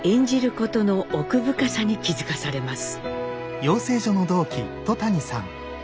ことの奥深さに気付かされます。